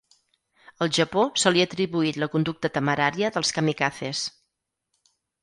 Al Japó, se li ha atribuït la conducta temerària dels kamikazes.